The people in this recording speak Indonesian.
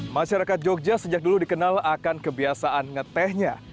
masyarakat jogja sejak dulu dikenal akan kebiasaan ngetehnya